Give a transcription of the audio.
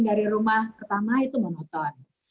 dari rumah pertama itu momoton